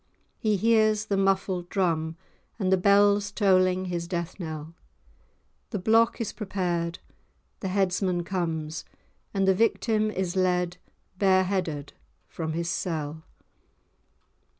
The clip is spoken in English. He hears the muffled drum and the bells tolling his death knell; the block is prepared, the headsman comes; and the victim is led bare headed from his cell.